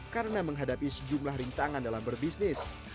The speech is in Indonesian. karena menghadapi sejumlah rintangan dalam berbisnis